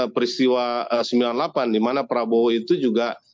peristiwa sembilan puluh delapan di mana prabowo itu juga